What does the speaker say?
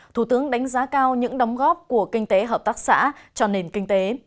thủ tướng đánh giá cao những đóng góp của kinh tế hợp tác xã cho nền kinh tế